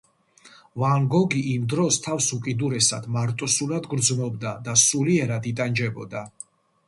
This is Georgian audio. ვან გოგი იმ დროს თავს უკიდურესად მარტოსულად გრძნობდა და სულიერად იტანჯებოდა.